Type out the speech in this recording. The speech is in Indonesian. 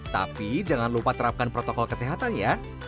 tapi jangan lupa terapkan protokol kesehatan ya